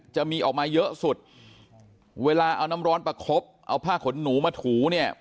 จะมีออกมาเยอะสุดเวลาเอาน้ำร้อนประคบเอาผ้าขนหนูมาถูเนี่ย